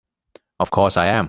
Of course I am!